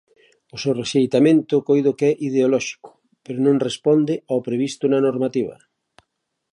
O seu rexeitamento coido que é ideolóxico, pero non responde ao previsto na normativa.